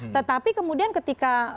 tetapi kemudian ketika pelaksanaan